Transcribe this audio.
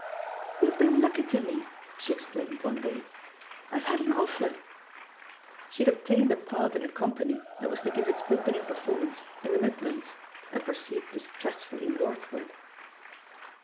" YouVe been lucky to me," she exclaimed one Say; "IVe had an offer I" She had obtained a part in a company that was to give its opening performance in the Mid lands, and proceed distressfully northward.